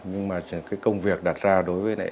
nhưng mà công việc đặt ra đối với nệ